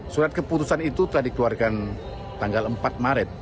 surat keputusan itu telah dikeluarkan tanggal empat maret